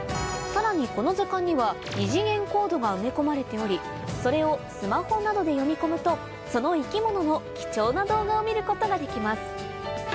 さらにこの図鑑には二次元コードが埋め込まれておりそれをスマホなどで読み込むとその生き物の貴重な動画を見ることができます